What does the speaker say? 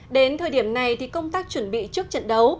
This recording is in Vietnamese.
đến thời điểm này thì công tác chuẩn bị trước trận đấu